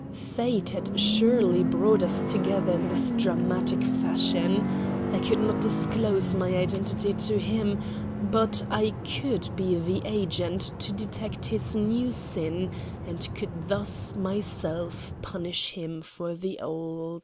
Fate had surely brought us together in this dramatic fashion. I could not disclose my identity to him; but I could be the agent to detect this new sin, and could thus myself punish him for the old.